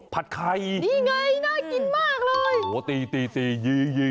ผัดไข่นี่ไงน่ากินมากเลย